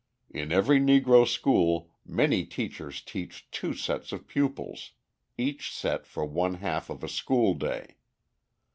In every Negro school many teachers teach two sets of pupils, each set for one half of a school day.